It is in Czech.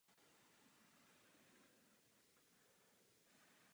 Kromě gotické zvonice je převážně románská.